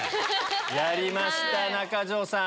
やりました中条さん。